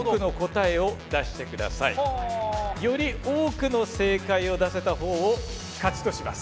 より多くの正解を出せた方を勝ちとします。